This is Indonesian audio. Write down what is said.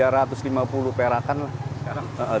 rp lima puluh perakan lah